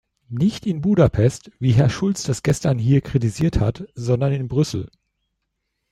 Nicht in Budapest, wie Herr Schulz das gestern hier kritisiert hat, sondern in Brüssel.